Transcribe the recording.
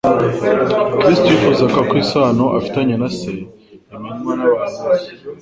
Kristo yifuzaga ko isano afitanye na Se imenywa n'abantu bose.